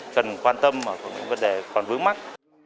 cần quan tâm và vấn đề còn vướng mắt